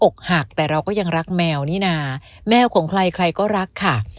อกหักแต่เราก็ยังรักแมวนี่นะแมวของใครใครก็รักค่ะ